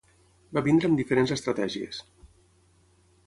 Va venir amb diferents estratègies.